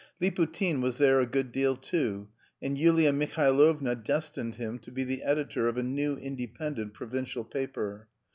Liputin was there a good deal too, and Yulia Mihailovna destined him to be the editor of a new independent provincial paper.